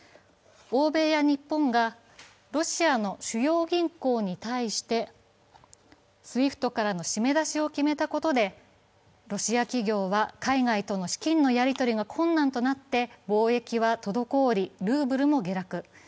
欧米や日本がロシアの主要銀行に対して、ＳＷＩＦＴからの締め出しを決めたことでロシア企業は海外との資金のやり取りが困難となって貿易は滞り、ルーブルも下落。